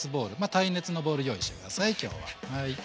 耐熱のボウル用意して下さい今日は。